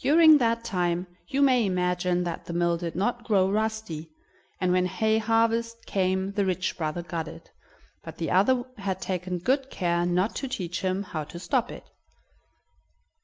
During that time you may imagine that the mill did not grow rusty, and when hay harvest came the rich brother got it, but the other had taken good care not to teach him how to stop it.